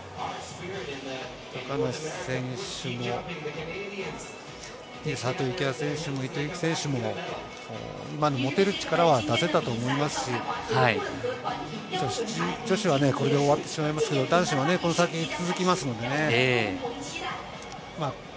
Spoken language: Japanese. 高梨選手も佐藤幸椰選手も、伊藤有希選手も今の持てる力は出せたと思いますし女子はこれで終わってしまいますが男子は、この先も続きますのでね。